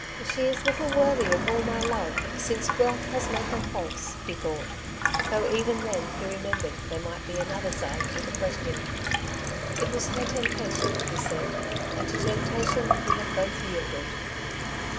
'' She is little worthy of all my love, since wealth has made her false," he thought ; though even then he remembered there might be another side to the question. "It was her temptation," he said; ^^and to temptation we have both yielded.''